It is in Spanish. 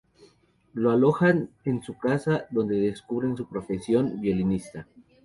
Lo alojan en su casa, donde descubren su profesión: violinista.